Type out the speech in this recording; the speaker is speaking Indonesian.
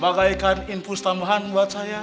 pakaikan infus tambahan buat saya